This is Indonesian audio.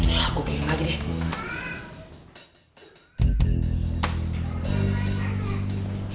aku kirim lagi deh